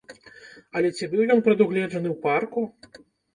Але ці быў ён прадугледжаны ў парку?